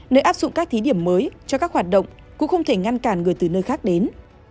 nếu áp dụng các thí điểm mới cho các hoạt động cũng không thể ngăn cản người từ nơi khác đến